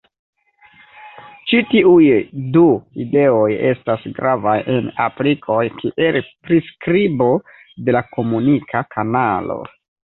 Ĉi tiuj du ideoj estas gravaj en aplikoj kiel priskribo de komunika kanalo.